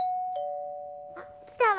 あっ来たわ。